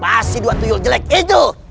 pasti dua tuyul jelek itu